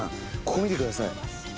ここ見て下さい。